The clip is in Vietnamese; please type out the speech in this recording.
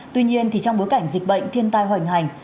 tuy nhiên trong bối cảnh dịch bệnh thiên tai hoành hành